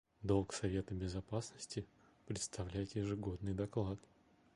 Долг Совета Безопасности — представлять ежегодный доклад.